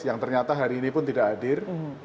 yang ternyata hari ini pun tidak hadir